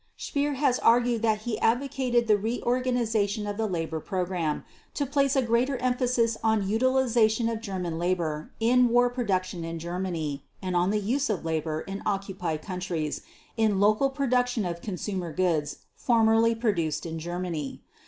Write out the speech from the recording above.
Speer has argued that he advocated the reorganization of the labor program to place a greater emphasis on utilization of German labor in war production in Germany and on the use of labor in occupied countries in local production of consumer goods formerly produced in Germany.